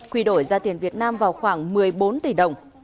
quy đổi ra tiền việt nam vào khoảng một mươi bốn tỷ đồng